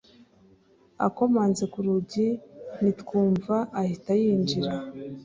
Akomanze ku rugi ntitwumvw ahita yinjira